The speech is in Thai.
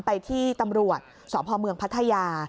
ไปที่ตำรวจสพเมืองพัทยา